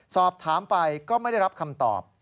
สอบถามไปก็ไม่ได้รับคำตอบ